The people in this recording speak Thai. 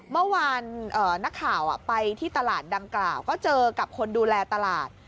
เมื่อวานนักข่าวไปที่ตลาดดังกล่าวก็เจอกับคนดูแลตลาด